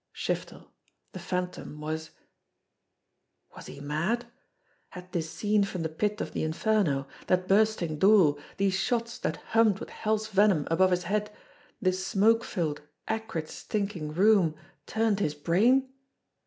Shiftel, the Phantom, was Was he mad ? Had this scene from the pit of the inferno, that bursting door, these shots that hummed with hell's venom 152 JIMMIE DALE AND THE PHANTOM CLUE above his head, this smoke filled, acrid stinking room, turned his brain?